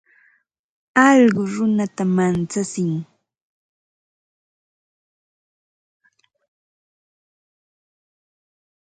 Alluqu runata manchatsin.